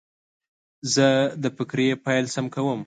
زه د فقرې پیل سم کوم.